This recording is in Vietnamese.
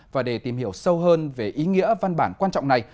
và để tìm hiểu sâu hơn về ý nghĩa văn bản quan trọng này